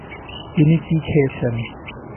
তিনি কী খেয়েছেন?